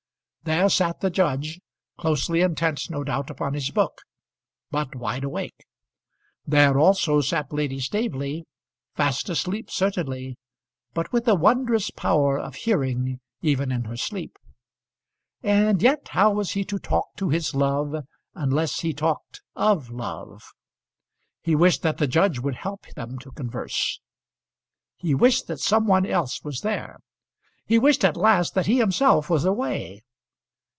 There sat the judge, closely intent no doubt upon his book, but wide awake. There also sat Lady Staveley, fast asleep certainly; but with a wondrous power of hearing even in her sleep. And yet how was he to talk to his love unless he talked of love? He wished that the judge would help them to converse; he wished that some one else was there; he wished at last that he himself was away.